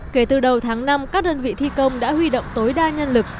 kể từ đầu tháng năm các đơn vị thi công đã huy động tối đa nhân lực